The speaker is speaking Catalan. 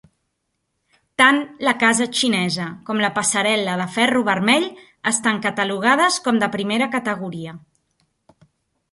Tant la casa xinesa com la passarel·la de ferro vermell estan catalogades com de primera categoria.